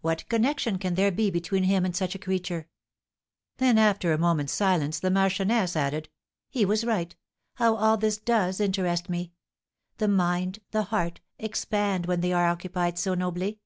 What connection can there be between him and such a creature?" Then, after a moment's silence, the marchioness added, "He was right; how all this does interest me! The mind, the heart, expand when they are occupied so nobly!